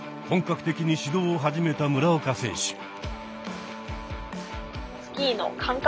本格的に始動を始めた村岡選手。